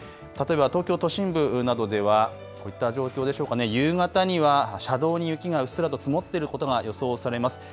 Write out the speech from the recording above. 例えば東京都心部などではこういった状況でしょうかね、夕方には車道に雪がうっすらと積もっていることが予想されます。